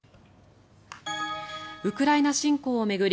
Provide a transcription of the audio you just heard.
ウクライナ侵攻を巡り